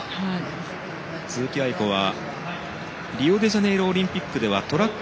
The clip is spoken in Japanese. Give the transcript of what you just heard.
鈴木亜由子はリオデジャネイロオリンピックでトラック